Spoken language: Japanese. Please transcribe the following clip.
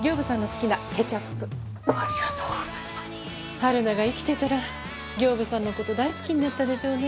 春菜が生きてたら刑部さんの事大好きになったでしょうね。